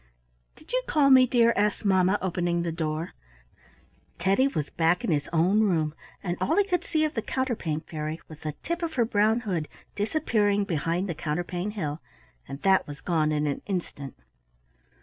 "Did you call me, dear?" asked mamma, opening the door. Teddy was back in his own room, and all he could see of the Counterpane Fairy was the tip of her brown hood disappearing behind the counterpane hill, and that was gone in an instant.